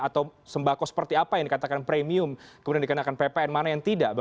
atau sembako seperti apa yang dikatakan premium kemudian dikenakan ppn mana yang tidak